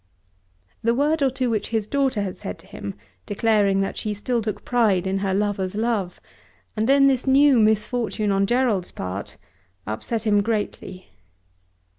The word or two which his daughter had said to him, declaring that she still took pride in her lover's love, and then this new misfortune on Gerald's part, upset him greatly.